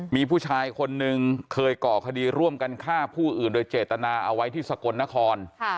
มีผู้ชายคนนึงเคยก่อคดีร่วมกันฆ่าผู้อื่นโดยเจตนาเอาไว้ที่สกลนคร